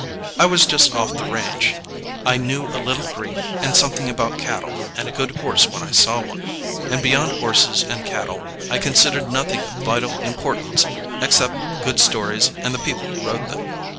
I was just off the range; I knew a little Greek and something about cattle and a good horse when I saw one, and beyond horses and cattle I considered nothing of vital importance except good stories and the people who wrote them.